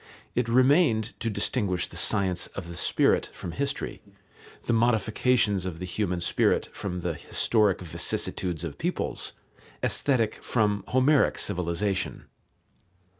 It remained to distinguish the science of the spirit from history, the modifications of the human spirit from the historic vicissitudes of peoples, Aesthetic from Homeric civilization.